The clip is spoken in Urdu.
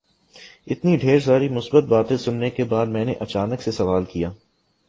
اتنی ڈھیر ساری مثبت باتیں سننے کے بعد میں نے اچانک سوال کیا